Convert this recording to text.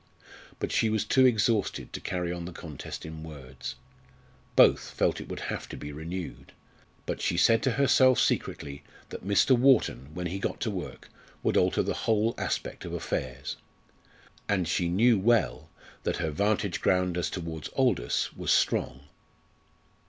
But she was too exhausted to carry on the contest in words. Both felt it would have to be renewed. But she said to herself secretly that Mr. Wharton, when he got to work, would alter the whole aspect of affairs. And she knew well that her vantage ground as towards Aldous was strong.